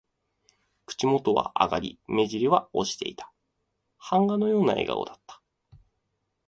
口元は上がり、目じりは落ちていた。版画のような笑顔だった。